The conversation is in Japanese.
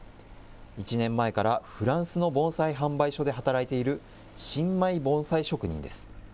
１年前からフランスの盆栽販売所で働いている、新米盆栽職人です。